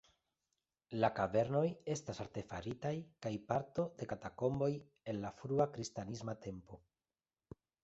La kavernoj estas artefaritaj kaj parto de katakomboj el la frua kristanisma tempo.